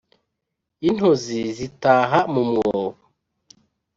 intozi zitaha mu mwobo